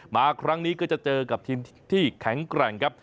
มาครั้งนี้ก็จะเจอกับทีมที่แข็งแกร่งครับ